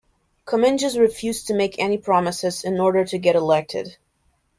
Comminges refused to make any promises in order to get elected.